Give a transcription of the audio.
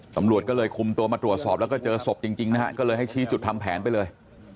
ตำรวจก็เลยคุมตัวมาตรวจสอบแล้วก็เจอศพจริงนะฮะก็เลยให้ชี้จุดทำแผนไปเลย